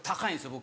僕。